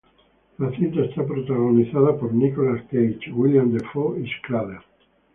La cinta es protagonizada por Nicolas Cage, Willem Dafoe, y Schrader.